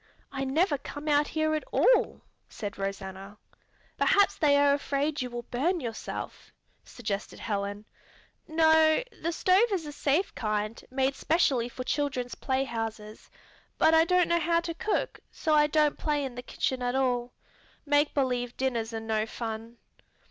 "I never come out here at all," said Rosanna. "Perhaps they are afraid you will burn yourself," suggested Helen. "No, the stove is a safe kind, made specially for children's playhouses, but I don't know how to cook, so I don't play in the kitchen at all. Make believe dinners are no fun."